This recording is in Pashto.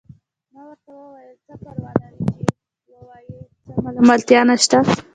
ما ورته وویل: څه پروا لري، بیا دې ووايي، څه ملامتیا نشته.